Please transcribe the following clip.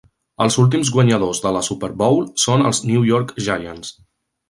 Els últims guanyadors de la Super Bowl són els New York Giants.